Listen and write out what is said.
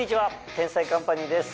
『天才‼カンパニー』です。